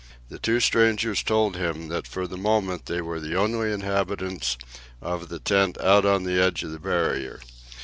The two strangers told him that for the moment they were the only inhabitants of the tent out on the edge of the Barrier.